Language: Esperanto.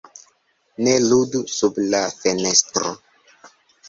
"Ne ludu sub la fenestro!"